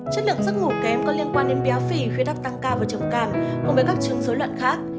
chất lượng sức ngủ kém có liên quan đến béo phỉ khuyết đắp tăng ca và trầm cảm cùng với các chứng dối loạn khác